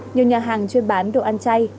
nhiều nhà hàng chuyên bán đồ ăn chay